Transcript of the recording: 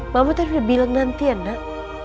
mama tadi udah bilang nanti ya nak